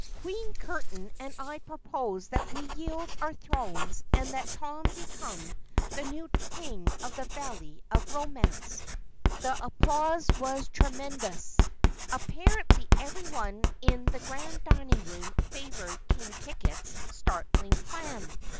Queen Curtain and I propose that we yield our thrones and that Tom become the new King of the Valley of Romance." The applause was tremendous. Apparently everyone in the Grand Dining Room favored King Ticket's startling plan.